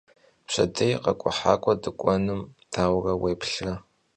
Pşedêy khek'uhak'ue dık'uenım daure vuêplhıre?